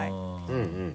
うんうん。